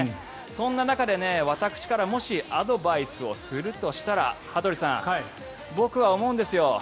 そんな中で私からもしアドバイスをするとしたら羽鳥さん、僕は思うんですよ